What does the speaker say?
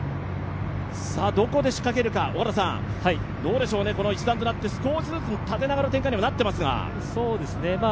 どこで仕掛けるか、どうでしょうね一団となって、少しずつ縦長の展開にはなってますが。